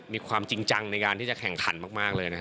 มีความจริงจังในการที่จะแข่งขันมากเลยนะฮะ